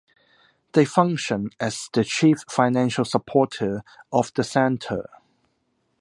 They function as the chief financial supporter of the center.